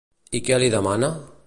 I què li demana?